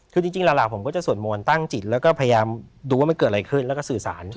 คือจริงหลักผมก็จะสวดมนต์ตั้งจิตแล้วก็พยายามดูว่ามันเกิดอะไรขึ้นแล้วก็สื่อสาร